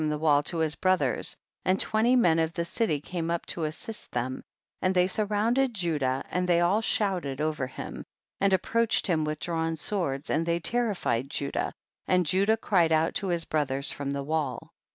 119 casting him from tlie wall to liis brothers, and twenty men of the city came up to assist them, and they sur rounded Judah and they all shouted over him, and approached him with drawn swords, and they terrified Judah, and Judah cried out to his brothers from the wall.